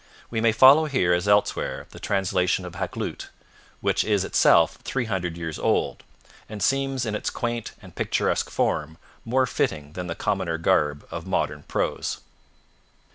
We may follow here as elsewhere the translation of Hakluyt, which is itself three hundred years old, and seems in its quaint and picturesque form more fitting than the commoner garb of modern prose.